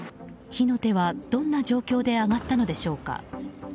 火の手は、どんな状況で上がったのでしょうか。